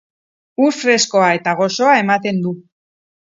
Ur freskoa eta goxoa ematen du.